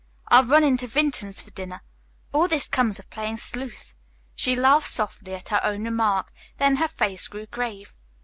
"I'll run into Vinton's for dinner. All this comes of playing sleuth." She laughed softly at her own remark, then her face grew grave.